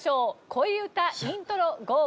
恋うたイントロゴー。